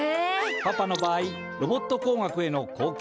パパの場合ロボット工学へのこうけん